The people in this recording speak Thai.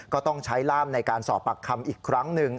ก็ต้องใช้ล่ามในการสอบปากคำอีกครั้งหนึ่ง